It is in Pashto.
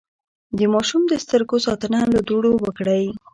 د ماشوم د سترګو ساتنه له دوړو وکړئ.